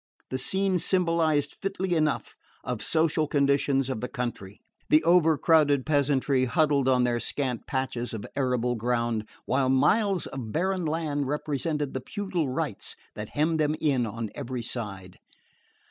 The scene symbolised fitly enough of social conditions of the country: the over crowded peasantry huddled on their scant patches of arable ground, while miles of barren land represented the feudal rights that hemmed them in on every side.